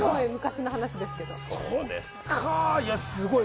そうですね。